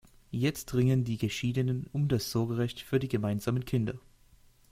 Jetzt ringen die Geschiedenen um das Sorgerecht für die gemeinsamen Kinder.